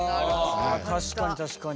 あ確かに確かに。